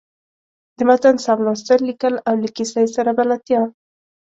د متن سم لوستل، ليکل او له کیسۍ سره بلدتیا.